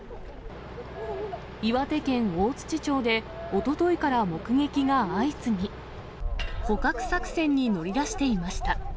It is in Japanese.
岩手県大槌町でおとといから目撃が相次ぎ、捕獲作戦に乗り出していました。